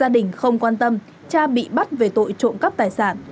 tỉnh không quan tâm cha bị bắt về tội trộm cắp tài sản